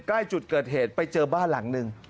ใกล้จุดเกิดเหตุไปเจอบ้านหลังหนึ่ง